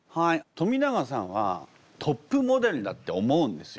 冨永さんはトップモデルだって思うんですよ